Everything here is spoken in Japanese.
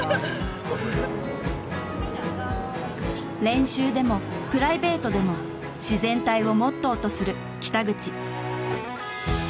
練習でもプライベートでも自然体をモットーとする北口。